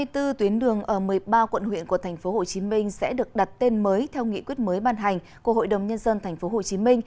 hai mươi bốn tuyến đường ở một mươi ba quận huyện của tp hcm sẽ được đặt tên mới theo nghị quyết mới ban hành của hội đồng nhân dân tp hcm